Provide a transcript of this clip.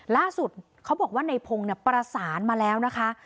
ล่าสุดเขาบอกว่าในพงศ์ประสานมาแล้วนะคะ